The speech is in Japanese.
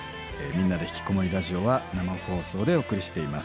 「みんなでひきこもりラジオ」は生放送でお送りしています。